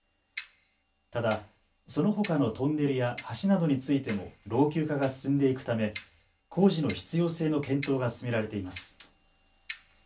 ただ、そのほかのトンネルや橋などについても老朽化が進んでいくため工事の必要性の検討が進められています。